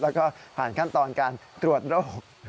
แล้วก็ผ่านขั้นตอนการตรวจโรค